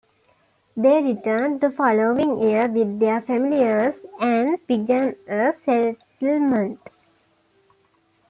They returned the following year with their families and began a settlement.